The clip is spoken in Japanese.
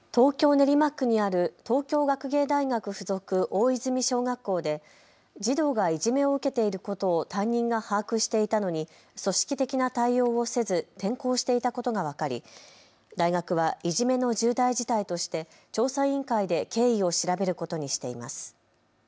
練馬区にある東京学芸大学付属大泉小学校で児童がいじめを受けていることを担任が把握していたのに組織的な対応をせず転校していたことが分かり大学はいじめの重大事態として調査委員会で経緯を調べることにしています。